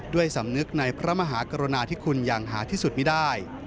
ด้วยสำนึกในพระมหากรุณาที่คุณอย่างหาที่สุดไม่ได้